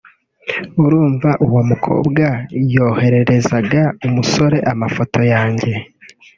urumva uwo mukobwa yohererezaga umusore amafoto yanjye